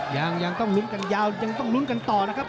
ยังต้องลุ้นกันยาวยังต้องลุ้นกันต่อนะครับ